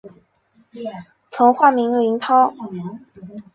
曾化名林涛。